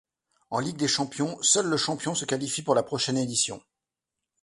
En Ligue des champions, seul le champion se qualifie pour la prochaine édition.